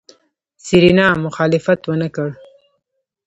سېرېنا مخالفت ونکړ.